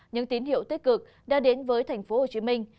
những tín hiệu tích cực đã đến với thành phố hồ chí minh